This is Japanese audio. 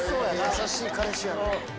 優しい彼氏やな。